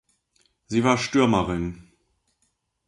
Sie war Stürmerin.